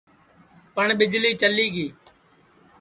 پٹؔ ٻیجݪی چلی گی